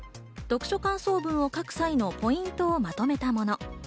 読書感想文を書く際のポイントをまとめたもの。